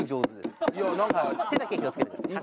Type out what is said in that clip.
手だけ気をつけてください。